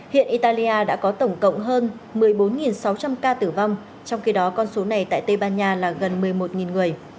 hiện italia đã có tổng cộng hơn một mươi bốn sáu trăm linh ca tử vong trong khi đó con số này tại tây ban nha là gần một mươi một người